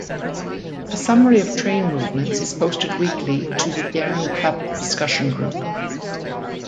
A summary of train movements is posted weekly to the Gheringhap Discussion Group.